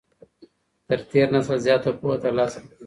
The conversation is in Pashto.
تر تېر نسل زياته پوهه ترلاسه کړئ.